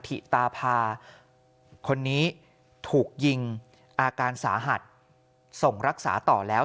ถิตาพาคนนี้ถูกยิงอาการสาหัสส่งรักษาต่อแล้ว